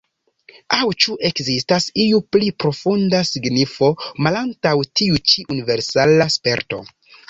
Aŭ ĉu ekzistas iu pli profunda signifo malantaŭ tiu ĉi universala sperto?